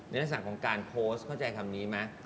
ลักษณะของการโพสต์เข้าใจคำนี้ไหม